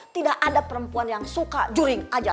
tidak ada perempuan yang suka juring aja